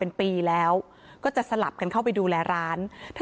เพราะไม่เคยถามลูกสาวนะว่าไปทำธุรกิจแบบไหนอะไรยังไง